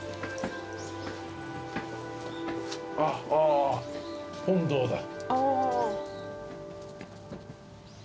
あ本堂だ。